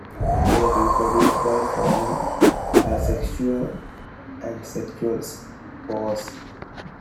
They reproduce by forming asexual and sexual spores.